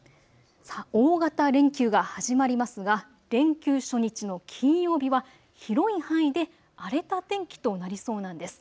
大型連休が始まりますが連休初日の金曜日は広い範囲で荒れた天気となりそうなんです。